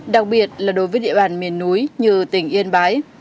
đặc biệt là đối với địa bàn miền núi như tỉnh yên bái